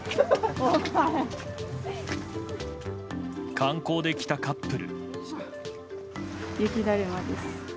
観光で来たカップル。